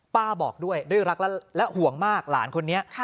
บอกด้วยด้วยรักและห่วงมากหลานคนนี้